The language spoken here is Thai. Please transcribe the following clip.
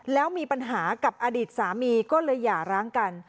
แล้วมีปัญหากับอดีตสามีก็เลยหย่าร้างกัน